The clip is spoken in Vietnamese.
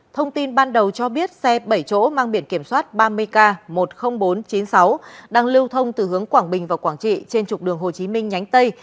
thông tin ban đầu cho biết xe bảy chỗ mang biển kiểm soát ba mươi k một mươi nghìn bốn trăm chín mươi sáu đang lưu thông từ hướng quảng bình và quảng trị trên trục đường hồ chí minh nhánh tây